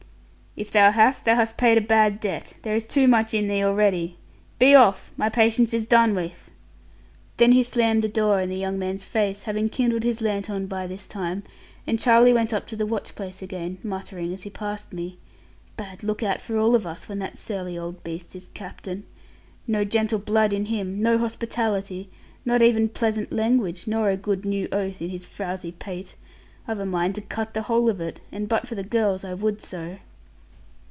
'If thou hast, thou hast paid a bad debt; there is too much in thee already. Be off! my patience is done with.' Then he slammed the door in the young man's face, having kindled his lanthorn by this time: and Charlie went up to the watchplace again, muttering as he passed me, 'Bad look out for all of us, when that surly old beast is Captain. No gentle blood in him, no hospitality, not even pleasant language, nor a good new oath in his frowsy pate! I've a mind to cut the whole of it; and but for the girls I would so.'